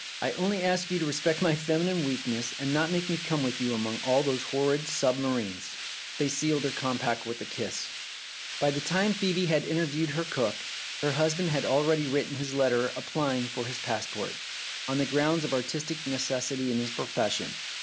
I only ask you to respect my feminine weakness and not make me come with you among all those horrid submarines." 307 Philip's Safety Razor They sealed their compact with a kiss. By the time Phcebe had interviewed her cook, her husband had already written his letter applying for his passport, on the grounds of artistic necessity in his profession.